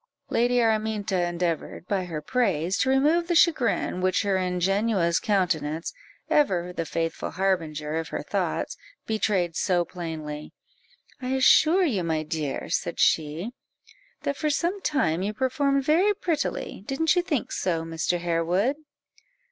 Lady Araminta endeavoured, by her praise, to remove the chagrin which her ingenuous countenance (ever the faithful harbinger of her thoughts) betrayed so plainly "I assure you, my dear," said she, "that for some time you performed very prettily; didn't you think so, Mr. Harewood?"